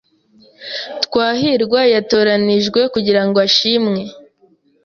Twahirwa yatoranijwe kugirango ashimwe.